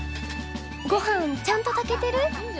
ごはんちゃんと炊けてる？